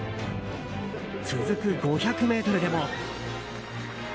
続く５００ｍでも。